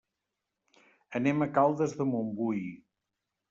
Anem a Caldes de Montbui.